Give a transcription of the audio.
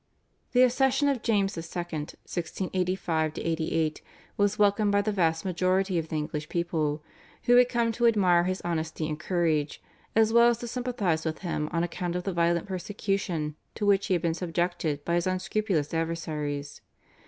The accession of James II. (1685 88) was welcomed by the vast majority of the English people, who had come to admire his honesty and courage, as well as to sympathise with him on account of the violent persecution to which he had been subjected by his unscrupulous adversaries.